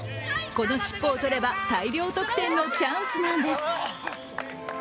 この尻尾を取れば大量得点のチャンスなんです。